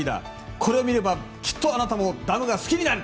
これを見ればきっとあなたもダムが好きになる。